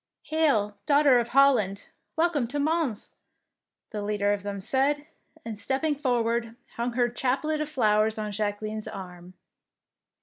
" Hail, Daughter of Holland, welcome to Mons,^' the leader of them said, and stepping forward, hung her chaplet of flowers on Jacqueline's arm.